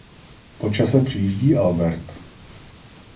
Po čase přijíždí Albert.